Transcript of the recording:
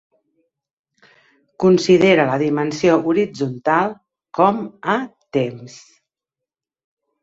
Considera la dimensió horitzontal com a temps.